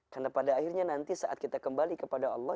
karena pada akhirnya nanti saat kita kembali kepada allah